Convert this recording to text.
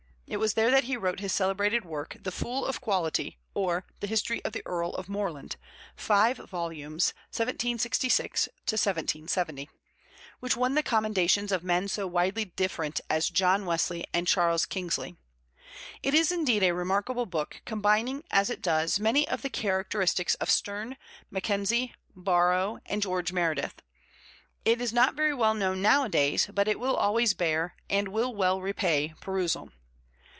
It was there that he wrote his celebrated work, The Fool of Quality, or the History of the Earl of Moreland (5 vols., 1766 1770), which won the commendations of men so widely different as John Wesley and Charles Kingsley. It is, indeed, a remarkable book, combining, as it does, many of the characteristics of Sterne, Mackenzie, Borrow, and George Meredith. It is not very well known nowadays, but it will always bear, and will well repay, perusal.